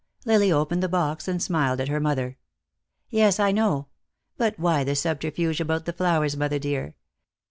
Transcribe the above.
Lily opened the box, and smiled at her mother. "Yes, I know. But why the subterfuge about the flowers, mother dear?